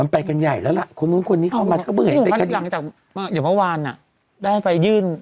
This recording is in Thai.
มันไปกันใหญ่แล้วล่ะคนนู้นคนนี้เข้ามาจะเบื่อ